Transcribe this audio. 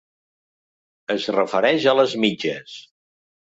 Es refereix a les mitges.